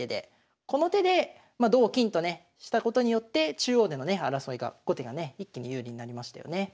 この手でまあ同金とねしたことによって中央でのね争いが後手がね一気に有利になりましたよね。